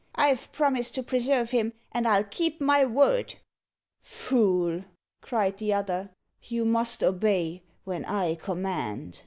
"I've promised to preserve him, and I'll keep my word." "Fool!" cried the other. "You must obey when I command."